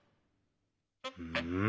うん？